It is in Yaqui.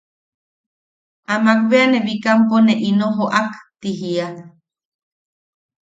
Amak bea ne Bikampo ne ino joʼak ti jiia.